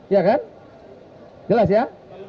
iya kan jelas ya